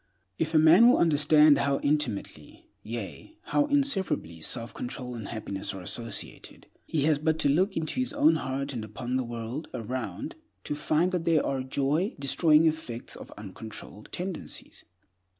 If a man will understand how intimately, yea, how inseparably, self control and happiness are associated, he has but to look into his own heart, and upon the world around, to find there the joy destroying effects of uncontrolled tendencies.